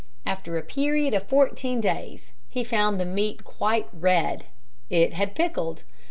After a period of fourteen days he found the meat quite red. It had pickled.